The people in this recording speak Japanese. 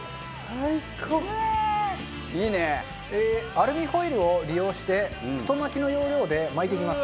アルミホイルを利用して太巻きの要領で巻いていきます。